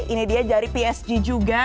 ini dia dari psg juga